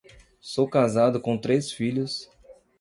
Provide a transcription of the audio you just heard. Sou casado com três filhos